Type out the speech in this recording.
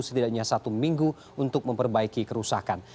setidaknya satu minggu untuk memperbaiki kerusakan